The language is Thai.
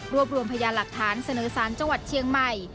รวมรวมพยานหลักฐานเสนอสารจังหวัดเชียงใหม่